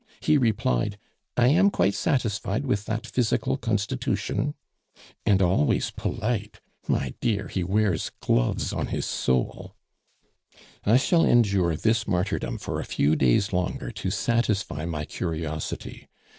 He replied, 'I am quite satisfied with that physical constitution.' "And always polite. My dear, he wears gloves on his soul... "I shall endure this martyrdom for a few days longer to satisfy my curiosity.